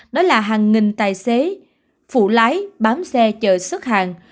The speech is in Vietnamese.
đó là hàng nghìn tài xế phụ lái bám xe chờ xuất hàng